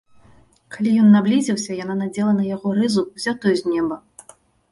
Калі ён наблізіўся, яна надзела на яго рызу, узятую з неба.